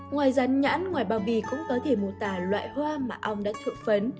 ngoài dán nhãn ngoài bao bì cũng có thể mô tả loại hoa mà ong đã thuộc phấn